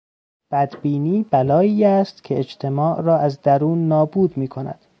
بدبینی بلایی است که اجتماع را از درون نابود میکند.